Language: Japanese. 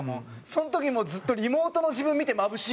その時もずっとリモートの自分見て眩しい顔してます。